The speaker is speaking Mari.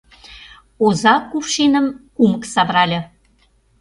Оза кувшиным кумык савырале.